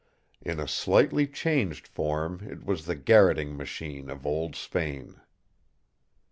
In a slightly changed form it was the garroting machine of old Spain.